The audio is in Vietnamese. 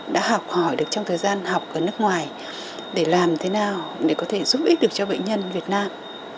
đã học hỏi được trong thời gian học ở nước ngoài để làm thế nào để có thể giúp ích được cho bệnh nhân việt nam